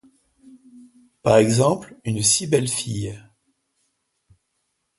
Par exemple, une si belle fille!